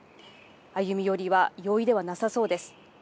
歩み寄りは容易ではなさそうです。